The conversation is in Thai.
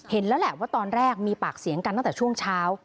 แล้วแหละว่าตอนแรกมีปากเสียงกันตั้งแต่ช่วงเช้า